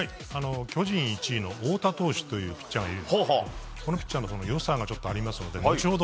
巨人１位の翁田投手というピッチャーがいるんですがこのピッチャーの良さがありますので後ほど